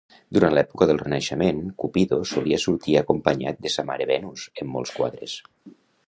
Durant l'època del Renaixement, Cupido solia sortir acompanyat de sa mare Venus en molts quadres.